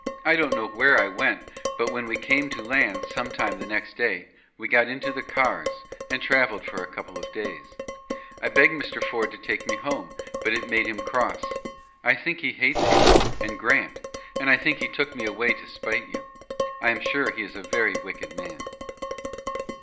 I don't know where I went, but when we came to land, some time the next day, we got into the cars and traveled for a couple of days. I begged Mr. Ford to take me home, but it made him cross. I think he hates you and Grant, and I think he took me away to spite you. I am sure he is a very wicked man.